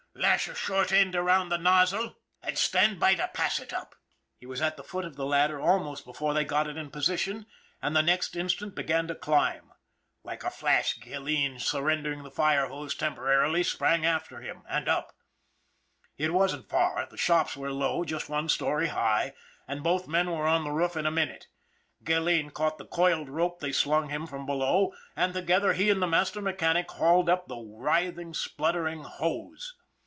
" Lash a short end around that nozzle, an' stand 204 ON THE IRON AT BIG CLOUD by to pass it up" he was at the foot of the ladder almost before they got it in position, and the next in stant began to climb. Like a flash, Gilleen, surrendering the fire hose tem porarily, sprang after him and up. It wasn't far the shops were low, just one story high and both men were on the roof in a minute. Gilleen caught the coiled rope they slung him from below, and together he and the master mechanic hauled up the writhing, spluttering hose.